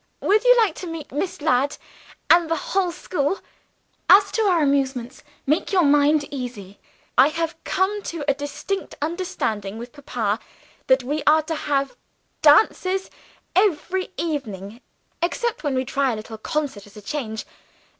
Would you like to meet Miss Ladd and the whole school? "As to our amusements, make your mind easy. "I have come to a distinct understanding with Papa that we are to have dances every evening except when we try a little concert as a change.